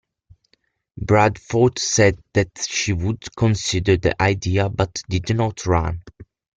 Bradford said that she would consider the idea but did not run.